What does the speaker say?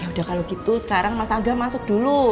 udah kalau gitu sekarang mas angga masuk dulu